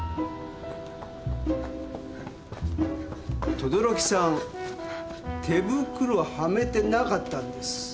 等々力さん手袋をはめてなかったんです。